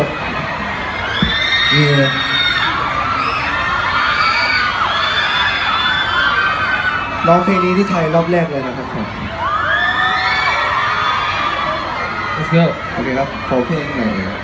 น้องเพลงนี้ที่ไทยรอบแรกเลยนะครับผม